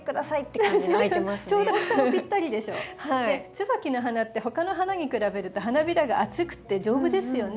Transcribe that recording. ツバキの花って他の花に比べると花びらが厚くて丈夫ですよね。